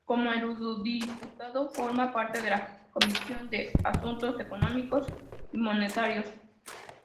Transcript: Como eurodiputado, forma parte de la Comisión de Asuntos Económicos y Monetarios.